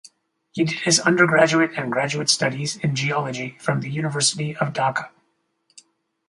He did his undergraduate and graduate studies in geology from the University of Dhaka.